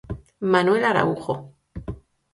Manuel Araújo.